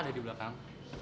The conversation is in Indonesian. ada di belakang